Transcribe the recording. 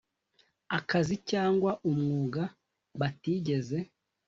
akazi cyangwa umwuga batigeze